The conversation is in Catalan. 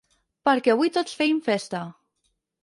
Perquè avui tots feim festa.